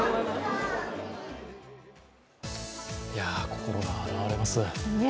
心が洗われます。